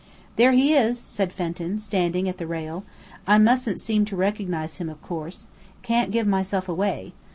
"There he is!" said Fenton, standing at the rail. "I mustn't seem to recognise him, of course. Can't give myself away!